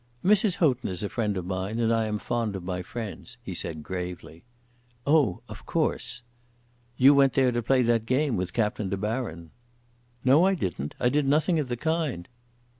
"Mrs. Houghton is a friend of mine, and I am fond of my friends," he said, gravely. "Oh, of course." "You went there to play that game with Captain De Baron." "No, I didn't. I did nothing of the kind."